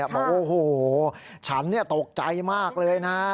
บอกโอ้โหฉันตกใจมากเลยนะ